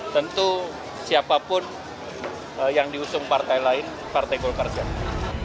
tentu siapapun yang diusung partai lain partai golkar jahat